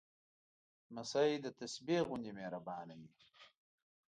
لمسی د تسبېح غوندې مهربانه وي.